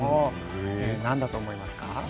何だと思いますか。